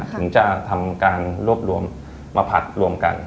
ถึงจะทำการรวบรวมมาผัดรวมกัน